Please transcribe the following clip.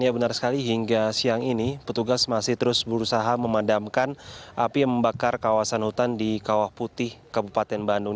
ya benar sekali hingga siang ini petugas masih terus berusaha memadamkan api yang membakar kawasan hutan di kawah putih kabupaten bandung